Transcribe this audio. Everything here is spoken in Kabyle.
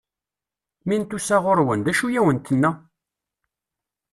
Mi n-tusa ɣur-wen, d acu i awen-tenna?